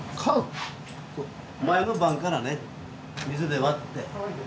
前の晩からね水で割って。